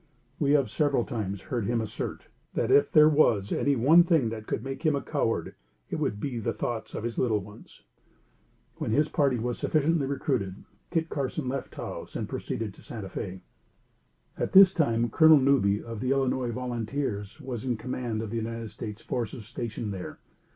We have several times heard him assert, that if there was any one thing that could make him a coward, it would be the thoughts of his little ones. When his party was sufficiently recruited, Kit Carson left Taos and proceeded to Santa Fé. At this time Colonel Newby, of the Illinois Volunteers, was in command of the United States forces stationed there.